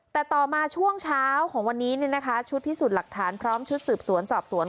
แต่ต่อมาช่วงเช้าของวันนี้ชุดพิสูจน์หลักฐานพร้อมชุดสืบสวนสอบสวน